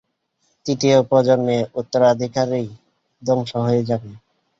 তৃতীয় প্রজন্মে, উত্তরাধিকারীই ধ্বংস হয়ে যাবে।